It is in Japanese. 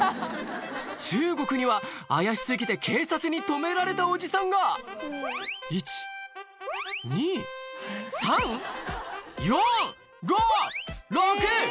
中国には怪し過ぎて警察に止められたおじさんが１・２３・４５・６！